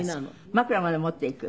枕まで持っていく。